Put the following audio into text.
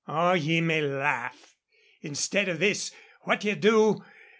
"Oh, ye may laugh. Instead of this, what do ye do?